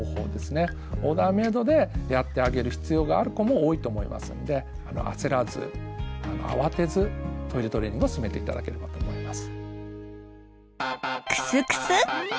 オーダーメイドでやってあげる必要がある子も多いと思いますんで焦らず慌てずトイレトレーニングを進めて頂ければと思います。